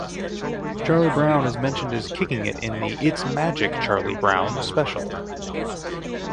Charlie Brown is mentioned as kicking it in the "It's Magic, Charlie Brown" special.